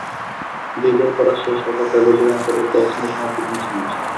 গেইলের করা শেষ ওভারটায় রবি রামপলের ক্যাচ নিয়েই সমাপ্তি টেনেছেন ম্যাচে।